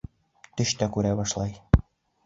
Төш тә күрә башлай.